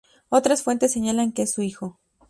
Otras fuentes señalan que es su hijo.